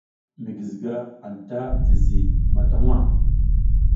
Mi guiziga anta si zizi mata waʼa.